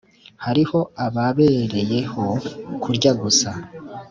hariho ababereyeho kurya gusa,